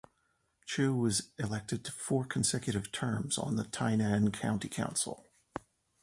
Chou was elected to four consecutive terms on the Tainan County Council.